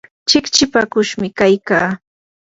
chikchipakushmi kaykaa.